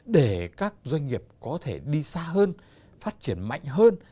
để các doanh nghiệp có thể đi xa hơn phát triển mạnh hơn